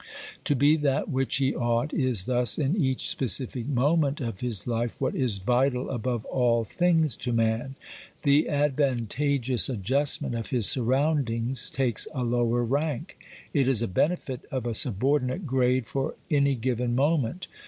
To be that which he ought is thus in each specific moment of his life what is vital above all things to man. The advantageous adjustment of his surroundings takes a lower rank; it is a benefit of a subordinate grade for any given moment.